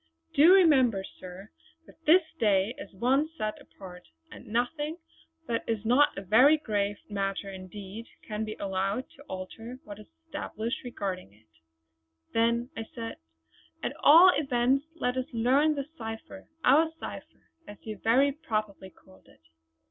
Do remember, sir, that this day is one set apart, and nothing that is not a very grave matter indeed can be allowed to alter what is established regarding it." "Then," said I, "at all events let us learn the cipher our cipher as you very properly called it."